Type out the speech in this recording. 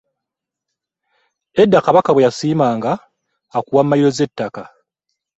Edda kabaka bwe yakusiima nga akuwa mayiro z'ettaka.